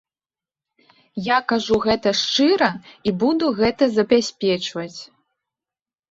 Я кажу гэта шчыра і буду гэта забяспечваць.